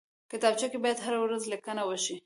کتابچه کې باید هره ورځ لیکنه وشي